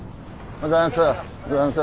おはようございます。